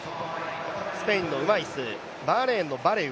スペインのウマイス、バーレーンのバレウ。